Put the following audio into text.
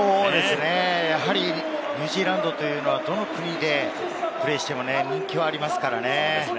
やはりニュージーランドというのは、どの国でプレーしても人気がありますからね。